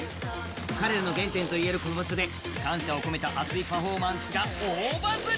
彼らの原点といえるこの場所で感謝を込めたパフォーマンスが大バズり。